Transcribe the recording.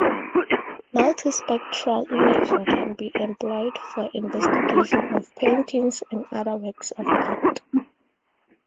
Multispectral imaging can be employed for investigation of paintings and other works of art.